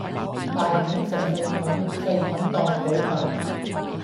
大菌食細菌,細菌當補品